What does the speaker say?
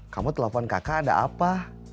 kamu telepon kakak ada apa